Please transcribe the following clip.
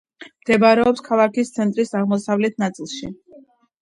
მდებარეობს ქალაქის ცენტრის აღმოსავლეთ ნაწილში.